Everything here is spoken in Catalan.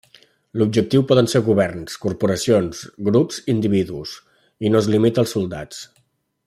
L'objectiu poden ser governs, corporacions, grups i individus, i no es limita als soldats.